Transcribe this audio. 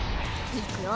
いくよ。